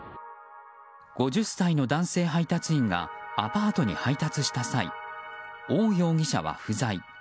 ５０歳の男性配達員がアパートに配達した際オウ容疑者は不在。